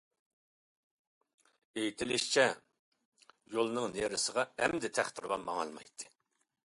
ئېيتىلىشىچە، يولنىڭ نېرىسىغا ئەمدى تەختىراۋان ماڭالمايتتى.